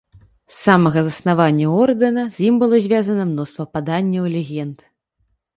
З самага заснавання ордэна, з ім было звязана мноства паданняў і легенд.